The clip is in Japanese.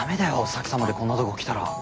沙樹さんまでこんなとこ来たら。